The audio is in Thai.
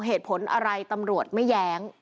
เหตุผลอะไรตำรวจไม่แย้ง